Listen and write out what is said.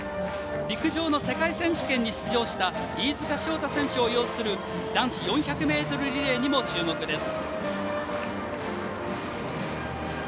陸上の世界選手権に出場した飯塚翔太選手を擁する男子４００ｍリレーにも注目です。